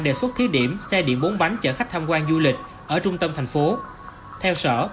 đề xuất thiết điểm xe điện bốn bánh chở khách tham quan du lịch ở trung tâm thành phố